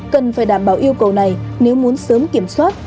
cần phải đảm bảo yêu cầu này nếu muốn sớm kiểm soát